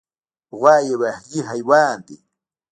غوا یو اهلي حیوان دی.